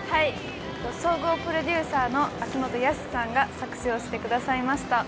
総合プロデューサーの秋元康さんが作詞をしてくださいました。